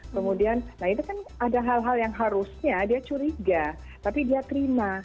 kemudian nah itu kan ada hal hal yang harusnya dia curiga tapi dia terima